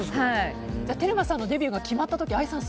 テルマさんのデビューが決まった時ＡＩさん